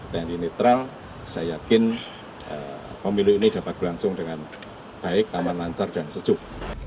tni netral saya yakin pemilu ini dapat berlangsung dengan baik aman lancar dan sejuk